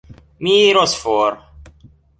Mi iros for.